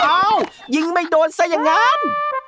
เอ้ายิงไม่โดนซะอย่างนั้น